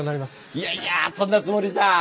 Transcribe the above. いやいやそんなつもりじゃ。